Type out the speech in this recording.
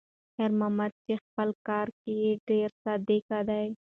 خیر محمد په خپل کار کې ډېر صادق دی.